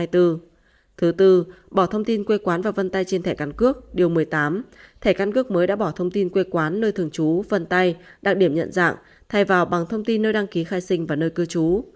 thứ tư bỏ thông tin quê quán và vân tay trên thẻ căn cước điều một mươi tám thẻ căn cước mới đã bỏ thông tin quê quán nơi thường trú phần tay đặc điểm nhận dạng thay vào bằng thông tin nơi đăng ký khai sinh và nơi cư trú